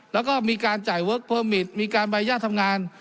แล้วก็มีการจ่ายเวิร์คเพิ่มมิตมีการใบญาตทำงาน